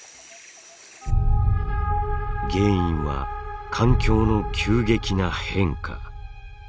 原因は環境の急激な変化。